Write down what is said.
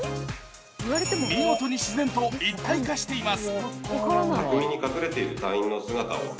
見事に自然と一体化しています。